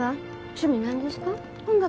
「趣味なんですか？」